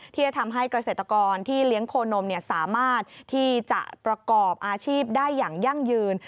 ที่จะทำให้เกษตรกรที่เลี้ยงโคนมสามารถที่จะประกอบอาชีพได้อย่างยั่งยืน